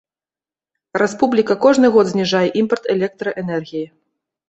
Рэспубліка кожны год зніжае імпарт электраэнергіі.